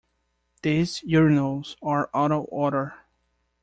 These urinals are out of order.